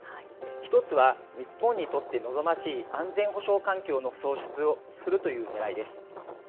１つは、日本にとって望ましい安全保障環境の創出をするというねらいです。